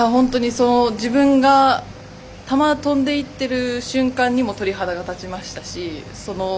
自分が球飛んでいってる瞬間にも鳥肌が立ちましたし。